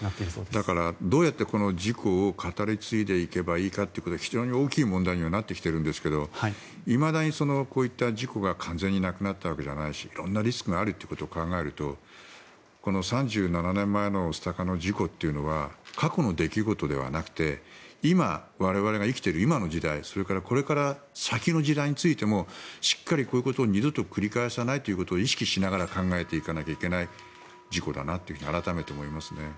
だから、どうやってこの事故を語り継いでいけばいいかということは非常に大きい問題になってきているんですがいまだにこういった事故が完全になくなったわけではないし色んなリスクがあるということを考えるとこの３７年前の御巣鷹の事故っていうのは過去の出来事ではなくて我々が生きている今の時代それからこれから先の時代についてもしっかり、こういうことを二度と繰り返さないということを意識しながら考えていかなきゃいけない事故だなと改めて思いますね。